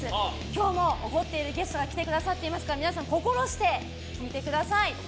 今日も怒っているゲストが来てくださっていますから皆さん心して聞いてください。